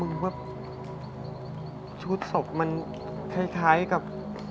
ที่นั่นไม่ได้มีผีตัวเดียวนะครับ